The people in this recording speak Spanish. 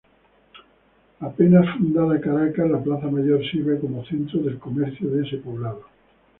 Apenas fundada Caracas, la Plaza Mayor sirve como centro del comercio de ese poblado.